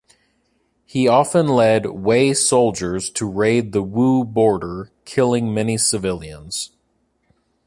He often led Wei soldiers to raid the Wu border, killing many civilians.